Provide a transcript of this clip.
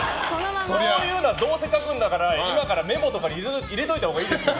そういうのはどうせ書くんだから今からメモとかに入れておいたほうがいいですよ。